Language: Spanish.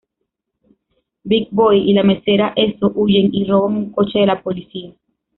Big Boy y la mesera Esso huyen y roban un coche de la policía.